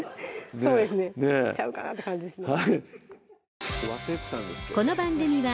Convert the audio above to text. そうですねちゃうかなって感じですね